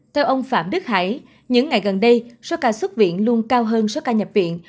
theo ông phạm đức hải những ngày gần đây số ca xuất viện luôn cao hơn số ca nhập viện